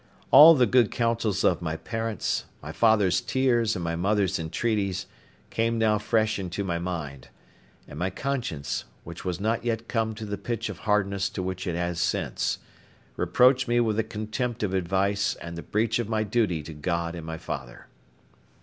All the good counsels of my parents, my father's tears and my mother's entreaties, came now fresh into my mind; and my conscience, which was not yet come to the pitch of hardness to which it has since, reproached me with the contempt of advice, and the breach of my duty to God and my father.